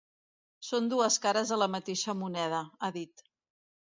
Són dues cares de la mateixa moneda, ha dit.